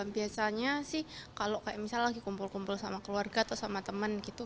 biasanya sih kalau kayak misalnya lagi kumpul kumpul sama keluarga atau sama teman gitu